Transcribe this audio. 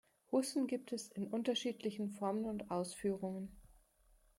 Hussen gibt es in unterschiedlichen Formen und Ausführungen.